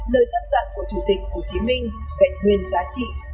nơi thất dặn của chủ tịch hồ chí minh vẹn nguyên giá trị